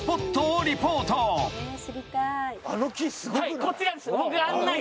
あの木すごくない？